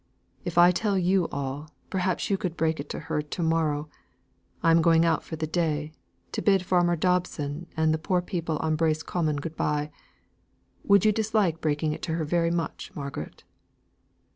If I tell you all, perhaps you could break it to her to morrow. I am going out for the day, to bid farmer Dobson and the poor people on Bracy Common good bye. Would you dislike breaking it to her very much, Margaret?"